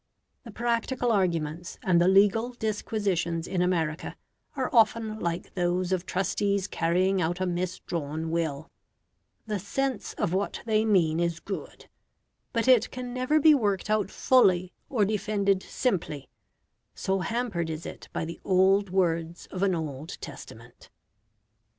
The practical arguments and the legal disquisitions in America are often like those of trustees carrying out a misdrawn will the sense of what they mean is good, but it can never be worked out fully or defended simply, so hampered is it by the old words of an old testament.